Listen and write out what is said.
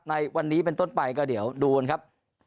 ในวันนี้เป็นต้นไปก็เดี๋ยวดูกันครับ